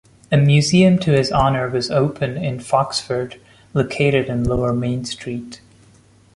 A museum to his honour was open in Foxford, located in Lower Main Street.